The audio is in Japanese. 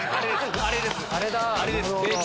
あれです。